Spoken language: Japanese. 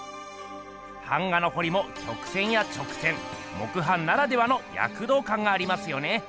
版画のほりもきょく線や直線木版ならではのやくどうかんがありますよね。